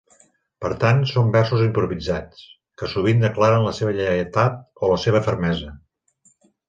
Per tant, són versos improvisats, que sovint declaren la seva lleialtat o la seva fermesa.